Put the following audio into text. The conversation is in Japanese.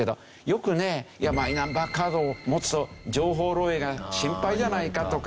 よくねマイナンバーカードを持つと情報漏洩が心配じゃないかとか言う人がいました。